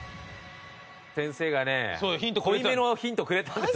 先生がね濃いめのヒントをくれたんですよ。